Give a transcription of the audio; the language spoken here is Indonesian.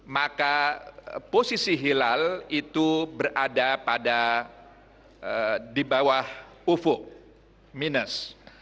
maka posisi hilal itu berada pada di bawah ufuk minus